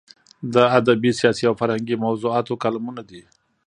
د ادبي، سیاسي او فرهنګي موضوعاتو کالمونه دي.